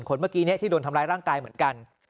คนเมื่อกี้นี้ที่โดนทำร้ายร่างกายเหมือนกัน